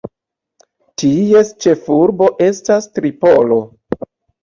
Ties ĉefurbo estas Tripolo.